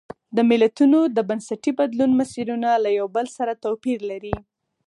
د ملتونو د بنسټي بدلون مسیرونه له یو بل سره توپیر لري.